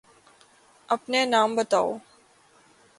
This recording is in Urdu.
أپنے نام بتاؤ۔